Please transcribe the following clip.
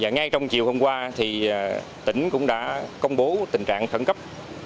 ngay trong chiều hôm qua tỉnh cũng đã công bố tình trạng khẩn cấp